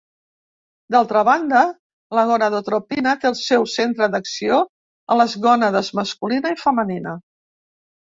D'altra banda, la gonadotropina té el seu centre d'acció a les gònades masculina i femenina.